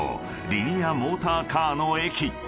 リニアモーターカーの駅］